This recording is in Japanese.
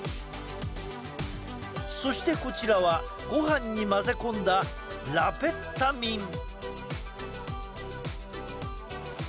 そして、こちらはごはんに混ぜ込んだラペッタミン。